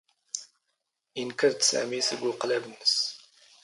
ⵉⵏⴽⵔ ⴷ ⵙⴰⵎⵉ ⵙⴳ ⵓⵇⵍⴰⴱ ⵏⵏⵙ.